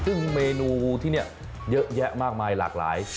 ซึ่งเมนูที่นี่เยอะแยะมากมายหลากหลาย